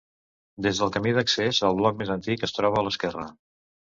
Des del camí d'accés, el bloc més antic es troba a l'esquerra.